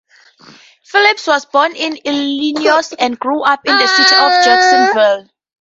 Phillips was born in Illinois, and grew up in the city of Jacksonville.